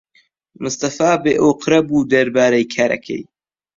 مستەفا بێئۆقرە بوو دەربارەی کارەکەی.